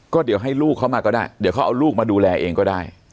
ก็เดี๋ยวให้ลูกเขามาก็ได้เดี๋ยวเขาเอาลูกมาดูแลเองก็ได้